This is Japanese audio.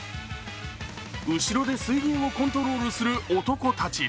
後ろで水牛をコントロールする男たち。